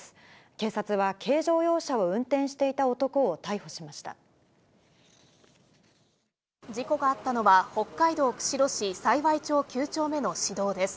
警察は軽乗用車を運転していた男事故があったのは、北海道釧路市幸町９丁目の市道です。